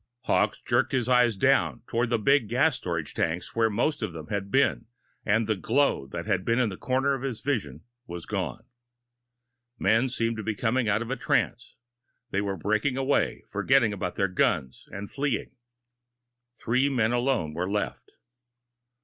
Hawkes jerked his eyes down toward the big gas storage tanks where most of them had been, and the glow that had been in the corner of his vision was gone. Men seemed to be coming out of a trance. They were breaking away, forgetting about their guns and fleeing. Three men alone were left.